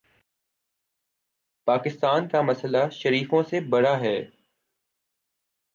پاکستان کا مسئلہ شریفوں سے بڑا ہے۔